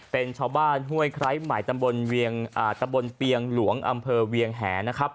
เป็นชาวบ้านห้วยไคร้ใหม่ตำบลเปียงหลวงอำเภอเวียงแหนะครับ